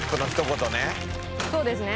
そうですね。